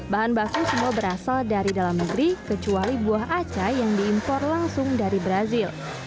bahan baku semua berasal dari dalam negeri kecuali buah aca yang diimpor langsung dari brazil